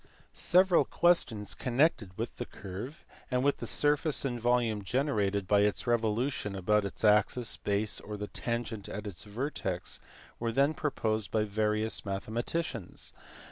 Several questions connected with the curve, and with the surface and volume generated by its revolution about its axis, base, or the tangent at its vertex were then proposed by various mathematicians.